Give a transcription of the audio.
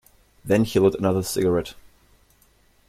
Then he lit another cigarette.